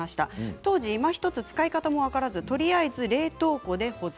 当時いまひとつ使い方も分からずとりあえず冷凍庫で保存。